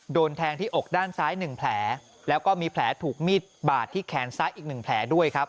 โดนแทงที่อกด้านซ้าย๑แผลแล้วก็มีแผลถูกมีดบาดที่แขนซ้ายอีก๑แผลด้วยครับ